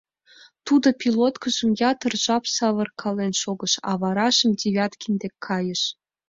Тудо пилоткыжым ятыр жап савыркален шогыш, а варажым Девяткин дек кайыш.